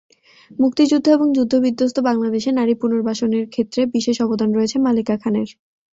মুক্তিযুদ্ধ এবং যুদ্ধবিধ্বস্ত বাংলাদেশে নারী পুনর্বাসনের ক্ষেত্রে বিশেষ অবদান রয়েছে মালেকা খানের।